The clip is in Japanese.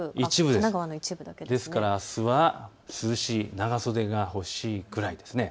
ですからあすは涼しい、長袖が欲しいくらいですね。